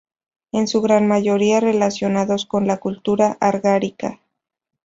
En su gran mayoría relacionados con la cultura argárica.